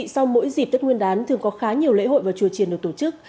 sau mỗi dịp tết nguyên đán thường có khá nhiều lễ hội và chùa triền được tổ chức